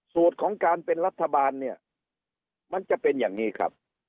ของการเป็นรัฐบาลเนี่ยมันจะเป็นอย่างนี้ครับ